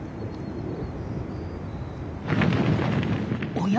おや？